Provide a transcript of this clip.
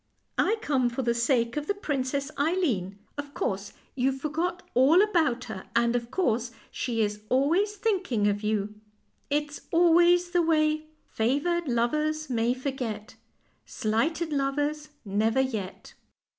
I come for the sake of the Princess Eileen. Of THE LITTLE WHITE CAT 143 course, you forgot all about her, and, of course, she is always thinking of you. It's always the way "' Favored lovers may forget, Slighted lovers never yet.